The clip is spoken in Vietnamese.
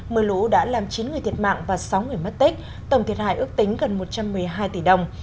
mưa lũ đã làm chín người thiệt mạng và sáu người mất tích tổng thiệt hại ước tính gần một trăm một mươi hai tỷ đồng